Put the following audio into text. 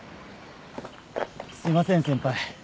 すいません先輩。